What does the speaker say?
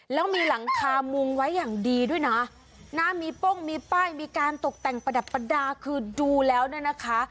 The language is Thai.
แล้วมีหลังคามุงไว้อย่างดีด้วยนะมีโป้งมีป้ายมีการตกแต่งประดับประดาษคือดูแล้วเนี่ยนะคะ